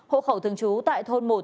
hộ khẩu thường trú tại thôn một